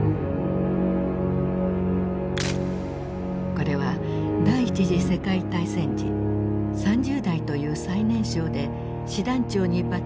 これは第一次世界大戦時３０代という最年少で師団長に抜てきされた頃の写真。